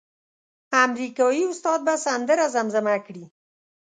امریکایي استاد به سندره زمزمه کړي.